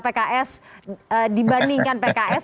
pks dibandingkan pks